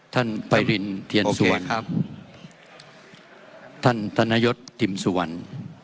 ท่านไปริย์เทียนสวรรค์